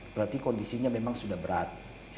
berarti kondisinya memang sudah berat